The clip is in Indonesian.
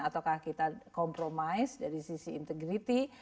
ataukah kita kompromis dari sisi integriti